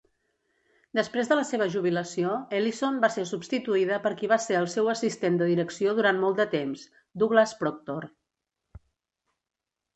Després de la seva jubilació, Ellison va ser substituïda per qui va ser el seu assistent de direcció durant molt de temps, Douglas Proctor.